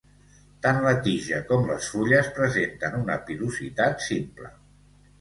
Tant la tija com les fulles presenten una pilositat simple.